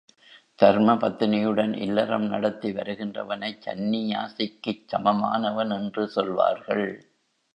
தர்மபத்தினியுடன் இல்லறம் நடத்தி வருகின்றவனைச் சந்நியாசிக்குச் சமமானவன் என்று சொல்வார்கள்.